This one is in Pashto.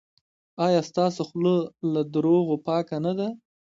ایا ستاسو خوله له درواغو پاکه نه ده؟